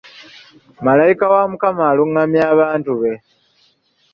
Malayika wa Mukama alungamya abantu be.